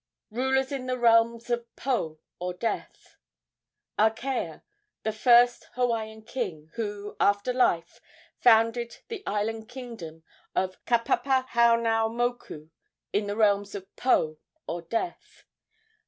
Rulers in the realms of Po, or death. Akea, the first Hawaiian king, who, after life, founded the island kingdom of Kapapahaunaumoku, in the realms of Po, or death.